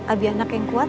abianak yang kuat